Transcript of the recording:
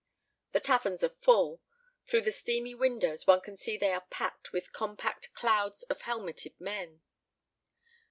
The taverns are full. Through the steamy windows one can see they are packed with compact clouds of helmeted men.